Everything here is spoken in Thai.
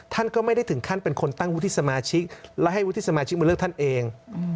ท่านก็ไม่ได้ถึงขั้นเป็นคนตั้งวุฒิสมาชิกและให้วุฒิสมาชิกมาเลือกท่านเอง